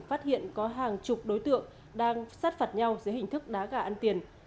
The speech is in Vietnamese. phát hiện có hàng chục đối tượng đang sát phạt nhau dưới hình thức đá gà ăn tiền